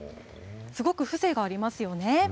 すごく風情がありますよね。